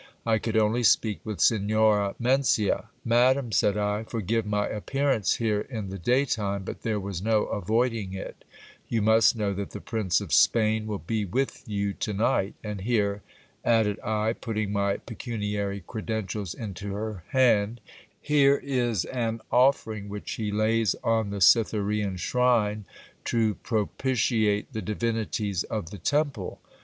I could only speak with Signora Mencia. Madam, said I, brgive my appearance here in the day time, but there was no avoiding it ; you must know that the Prince of Spain will be with you to night ; and here, added , putting my pecuniary credentials into her hand, here is an offering which he lays on the Cytherean shrine, to propitiate the divinities of the temple.